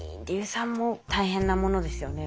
硫酸も大変なものですよね。